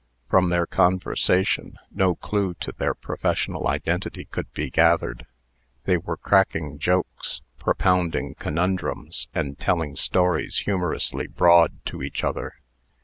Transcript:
From their conversation, no clue to their professional identity could be gathered. They were cracking jokes, propounding conundrums, and telling stories humorously broad to each other.